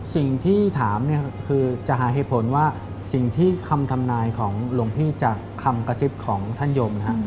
สิ่งที่ถามเนี่ยคือจะหาเหตุผลว่าสิ่งที่คำทำนายของหลวงพี่จากคำกระซิบของท่านยม